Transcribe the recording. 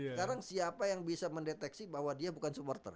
sekarang siapa yang bisa mendeteksi bahwa dia bukan supporter